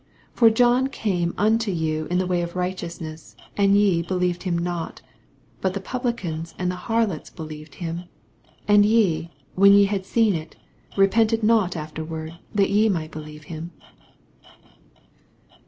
82 For John came unto you in the way of righteousness, and ye believed him not : but the Publicans and the harlots believed him : and ve, when ye had seen it, repented no^ afierward, that ye might believe him.